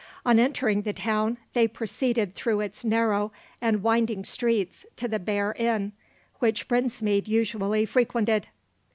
On entering the town, they proceeded through its narrow and winding streets to the Bear Inn, which Brinsmead usually frequented.